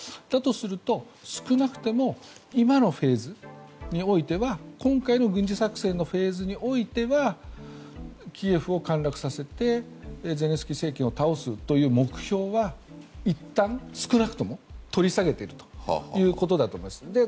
だとすると、少なくとも今のフェーズにおいては今回の軍事作戦のフェーズにおいてはキエフを陥落させてゼレンスキー政権を倒すという目標はいったん、少なくとも取り下げているということだと思います。